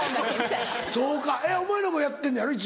そうかお前らもやってんねやろ一応。